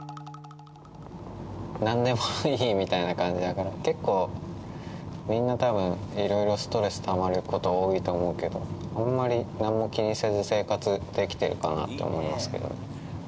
なんでもいいみたいな感じだから、結構、みんなたぶん、いろいろストレスたまること多いと思うけど、あんまりなんも気にせず生活できてるかなと思いますけどね。